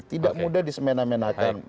tidak mudah disemenamenakin